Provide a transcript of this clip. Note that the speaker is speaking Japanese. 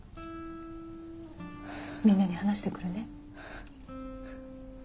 みんなに話してくるね。